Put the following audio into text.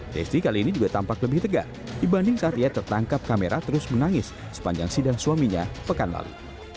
desi kali ini juga tampak lebih tegar dibanding saat ia tertangkap kamera terus menangis sepanjang sidang suaminya pekan lalu